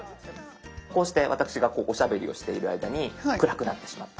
こうして私がおしゃべりをしている間に暗くなってしまった。